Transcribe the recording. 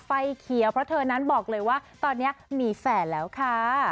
ไฟเขียวเพราะเธอนั้นบอกเลยว่าตอนนี้มีแฟนแล้วค่ะ